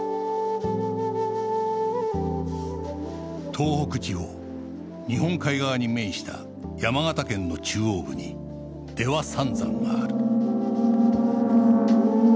東北地方日本海側に面した山形県の中央部に出羽三山がある